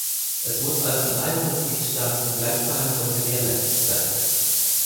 Es muss also in allen Mitgliedstaaten Gleichbehandlung gewährleistet sein.